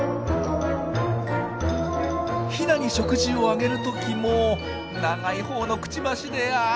ヒナに食事をあげる時も長いほうのクチバシであ！